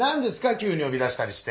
急によび出したりして。